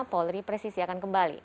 polri presisi akan kembali